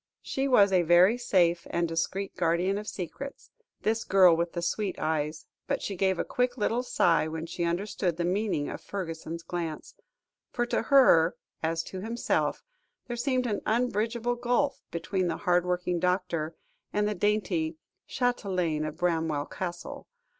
She was a very safe and discreet guardian of secrets, this girl with the sweet eyes, but she gave a quick little sigh when she understood the meaning of Fergusson's glance, for to her, as to himself, there seemed an unbridgeable gulf, between the hard working doctor, and the dainty châtelaine of Bramwell Castle.